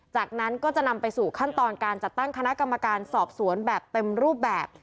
จากนั้นก็จะนำไปสู่ขั้นตอนการจัดตั้งคณะกรรมการสอบสวนแบบเต็มรูปแบบ